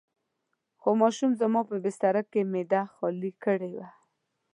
خو ماشوم زما په بستره کې معده خالي کړې وه.